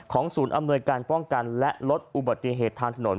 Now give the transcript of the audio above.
ศูนย์อำนวยการป้องกันและลดอุบัติเหตุทางถนน